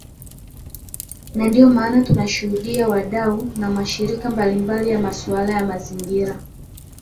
na ndio maana tunashuhudia wadau na mashirika mbalimbali ya masuala ya mazingira